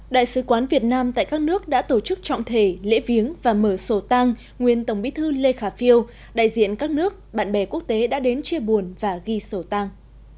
đại sứ quán việt nam tại các nước đã tổ chức trọng thể lễ viếng và mở sổ tăng nguyên tổng bí thư lê khả phiêu đại diện các nước bạn bè quốc tế đã đến chia buồn và ghi sổ tăng